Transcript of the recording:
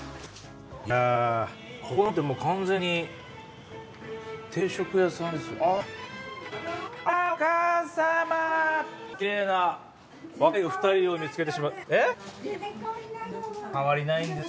いやここなんてもう完全に定食屋さんです。